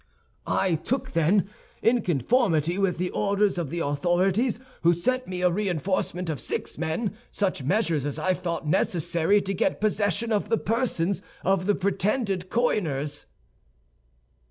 "I took then, in conformity with the orders of the authorities, who sent me a reinforcement of six men, such measures as I thought necessary to get possession of the persons of the pretended coiners."